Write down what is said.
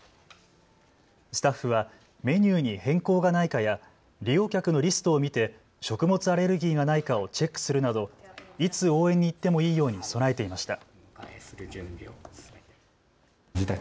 スタッフはメニューに変更がないかや利用客のリストを見て食物アレルギーがないかをチェックするなどいつ応援に行ってもいいように備えていました。